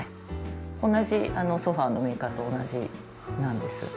同じソファのメーカーと同じなんです。